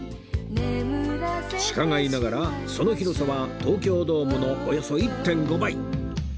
地下街ながらその広さは東京ドームのおよそ １．５ 倍